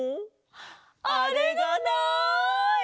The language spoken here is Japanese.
あれがない！